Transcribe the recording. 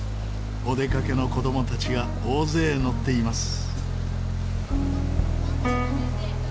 お出かけの子供たちが大勢乗っています。